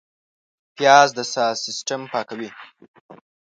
پیاز د ساه سیستم پاکوي